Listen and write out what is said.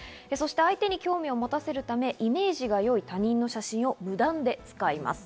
相手に興味を持たせるためイメージが良い他人の写真を無断で使います。